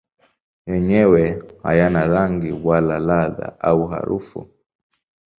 Yenyewe hayana rangi wala ladha au harufu.